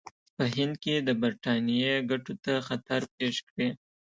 په هند کې د برټانیې ګټو ته خطر پېښ کړي.